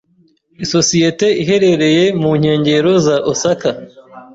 Isosiyete iherereye mu nkengero za Osaka.